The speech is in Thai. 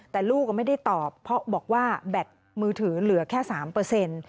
แต่ลูกก็ไม่ได้ตอบเพราะบอกว่าแบตมือถือเหลือแค่๓